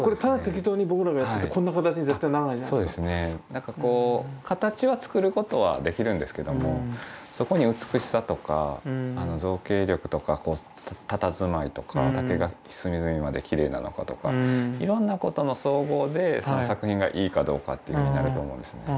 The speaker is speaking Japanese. なんかこう形は作ることはできるんですけどもそこに美しさとか造形力とかたたずまいとか竹が隅々まできれいなのかとかいろんなことの総合でその作品がいいかどうかっていうのになると思うんですね。